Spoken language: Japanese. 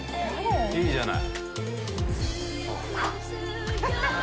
いいじゃない。